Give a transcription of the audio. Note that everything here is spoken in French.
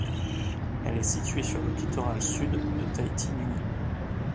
Elle est située sur le littoral sud de Tahiti Nui.